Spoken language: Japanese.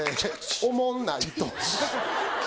おもんないと。